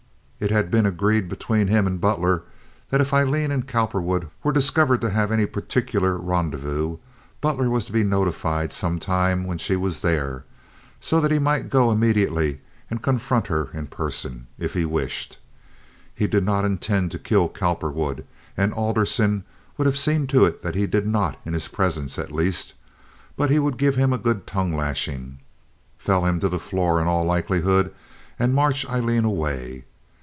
It bad been agreed between him and Butler that if Aileen and Cowperwood were discovered to have any particular rendezvous Butler was to be notified some time when she was there, so that he might go immediately and confront her in person, if he wished. He did not intend to kill Cowperwood—and Alderson would have seen to it that he did not in his presence at least, but he would give him a good tongue lashing, fell him to the floor, in all likelihood, and march Aileen away.